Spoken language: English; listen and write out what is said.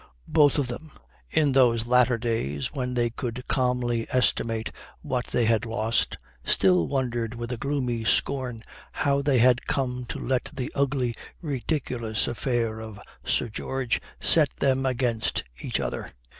Both of them, in those latter days when they could calmly estimate what they had lost, still wondered with a gloomy scorn how they had come to let the ugly, ridiculous affair of Sir George set them against each other.